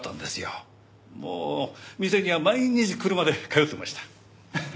もう店には毎日車で通ってました。